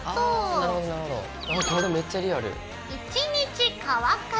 ああこれめっちゃリアル。